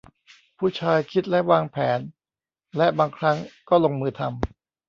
ผู้ชายคิดและวางแผนและบางครั้งก็ลงมือทำ